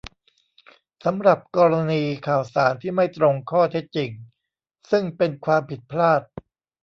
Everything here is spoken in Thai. สำหรับกรณีข่าวสารที่ไม่ตรงข้อเท็จจริง ซึ่งเป็นความผิดพลาด